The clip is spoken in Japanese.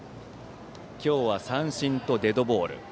今日は三振とデッドボール。